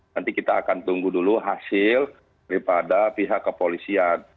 nanti kita akan tunggu dulu hasil daripada pihak kepolisian